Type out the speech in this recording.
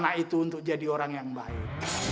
anak itu untuk jadi orang yang baik